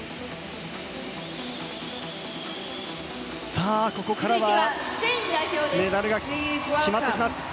さあ、ここからはメダルが決まってきます。